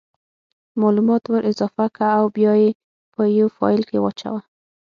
مالومات ور اضافه که او بیا یې په یو فایل کې واچوه